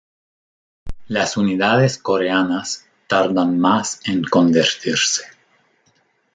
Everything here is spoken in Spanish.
Las unidades coreanas tardan más en convertirse.